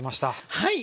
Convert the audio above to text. はい！